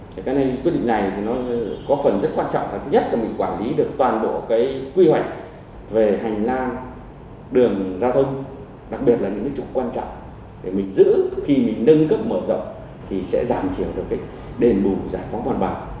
thế cái này quyết định này thì nó có phần rất quan trọng và thứ nhất là mình quản lý được toàn bộ cái quy hoạch về hành lang đường giao thông đặc biệt là những cái trục quan trọng để mình giữ khi mình nâng cấp mở rộng thì sẽ giảm thiểu được cái đền bù giải phóng hoàn bằng